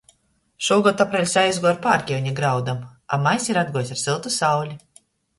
Šūgod apreļs aizguoja ar pārkiuņa graudom, a majs ir atguojs ar syltu sauli.